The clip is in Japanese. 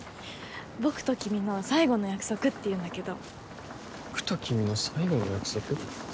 「僕と君の最後の約束」っていうんだけど「僕と君の最後の約束」？